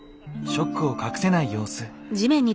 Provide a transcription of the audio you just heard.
ショックを隠せない様子。